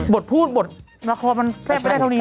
บทพูดบทละครมันแทบไปได้เท่านี้นะ